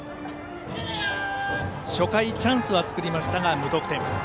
初回チャンスは作りましたが無得点。